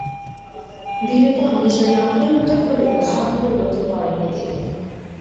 বিয়ের পর নিজের নাম পরিবর্তন করলেও ধর্ম পরিবর্তন করেন নি তিনি।